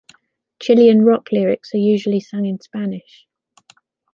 Chilean rock lyrics are usually sung in Spanish.